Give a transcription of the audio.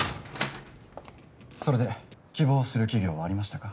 それで希望する企業はありましたか？